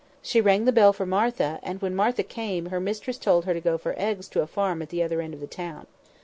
She rang the bell for Martha, and when Martha came, her mistress told her to go for eggs to a farm at the other end of the town.